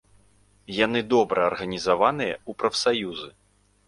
Яны добра арганізаваныя ў прафсаюзы.